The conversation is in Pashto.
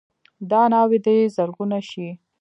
دا ناوې دې زرغونه شي.